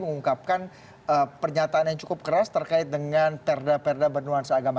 mengungkapkan pernyataan yang cukup keras terkait dengan perda perda bernuansa agama